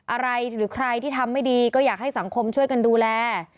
อะไรหรือใครที่ทำไม่ดีก็อยากให้สังคมช่วยกันดูแล